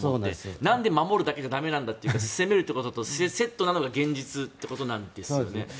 なんで守るだけじゃ駄目なのかって攻めるのとセットなのが現実ということですよね。